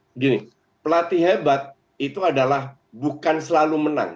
begini pelatih hebat itu adalah bukan selalu menang